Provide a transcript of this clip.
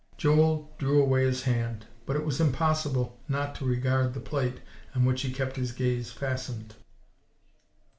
Joel drew away his hand; but it was impossible not to regard the plate, on which he kept his gaze fastened.